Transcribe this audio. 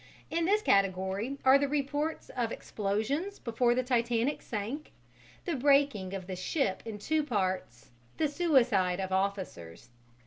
In this category are the reports of explosions before the Titanic sank, the breaking of the ship in two parts, the suicide of officers.